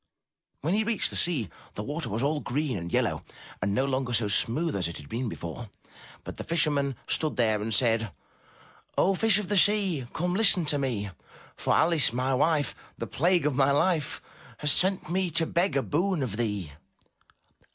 When he reached the sea, the water was all green and yellow and no longer so smooth as it had been before, but the fisherman stood there and said: "O Fish of the Sea, come, listen to me, For Alice, my wife, the plague of my life. Has sent me to beg a boon of thee."